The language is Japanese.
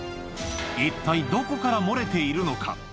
一体どこから漏れているのか？